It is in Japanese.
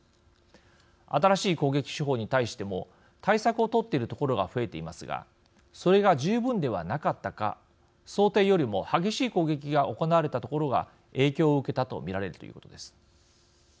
新しい攻撃手法に対しても対策を取っているところが増えていますがそれが十分ではなかったか想定よりも激しい攻撃が行われたところが影響を受けたと見られるということです。